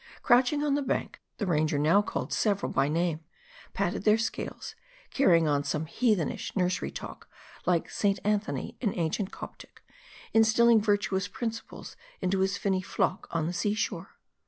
Crouch ing 011 the bank, the Ranger now called several by name, patted their scales, carrying on some heathenish nursery talk, like St. Anthony, in ancient Coptic, instilling virtuous principles into his finny flock on the sea shore.